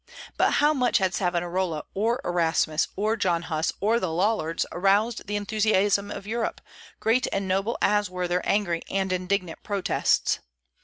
But how much had Savonarola, or Erasmus, or John Huss, or the Lollards aroused the enthusiasm of Europe, great and noble as were their angry and indignant protests?